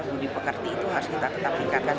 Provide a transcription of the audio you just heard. budi pekerti itu harus kita tetap tingkatkan